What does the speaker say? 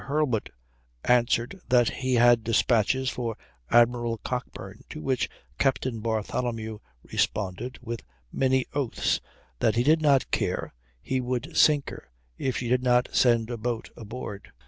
Hurlburt answered that he had dispatches for Admiral Cockburn, to which Captain Bartholomew responded, with many oaths, that he did not care, he would sink her if she did not send a boat aboard.